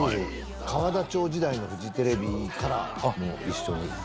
河田町時代のフジテレビからもう一緒に。